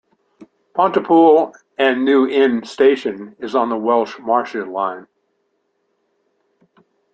Pontypool and New Inn station is on the Welsh Marches Line.